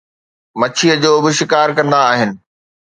مڇيءَ جو به شڪار ڪندا آهن